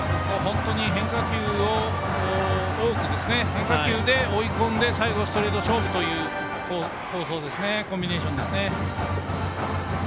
変化球で追い込んで最後、ストレート勝負というコンビネーションですね。